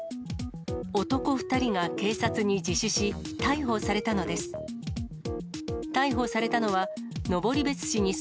男２人が警察に自首し、逮捕されたのです。